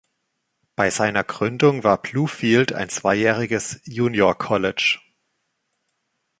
Bei seiner Gründung war Bluefield ein zweijähriges Junior College.